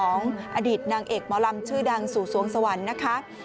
อดีตนางเอกหมอลำชื่อดังสู่สวงสวรรค์นะคะ